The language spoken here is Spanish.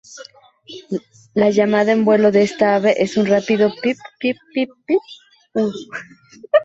La llamada en vuelo de esta ave es un rápido "Pip-pip-pip-pip-uh".